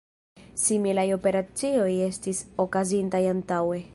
Similaj operacioj estis okazintaj antaŭe.